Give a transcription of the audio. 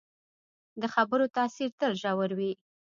د خبرو تاثیر تل ژور وي